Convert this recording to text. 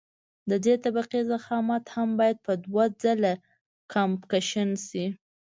د دې طبقې ضخامت هم باید په دوه ځله کمپکشن شي